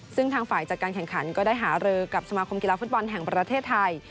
ซึ่งทางฝ่ายจัดการแข่งขันก็ได้หารือกับสมาคมกีฬาฟุตบอลแห่งประเทศไทย